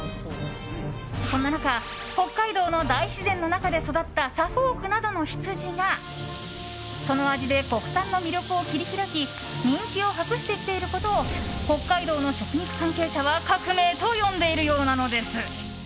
そんな中北海道の大自然の中で育ったサフォークなどの羊がその味で国産の魅力を切り開き人気を博してきていることを北海道の食肉関係者は革命と呼んでいるそうなんです。